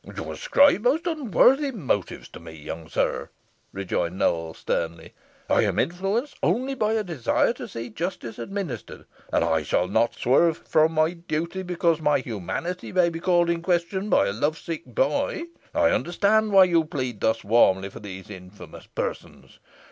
"You ascribe most unworthy motives to me, young sir," rejoined Nowell, sternly. "I am influenced only by a desire to see justice administered, and I shall not swerve from my duty, because my humanity may be called in question by a love sick boy. I understand why you plead thus warmly for these infamous persons.